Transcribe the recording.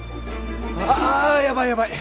あヤバいヤバい！